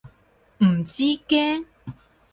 唔知驚？